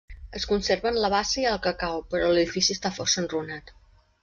Es conserven la bassa i el cacau, però l'edifici està força enrunat.